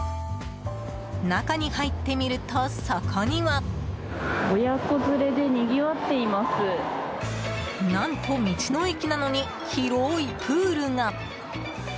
中に入ってみるとそこには。何と道の駅なのに広いプールが。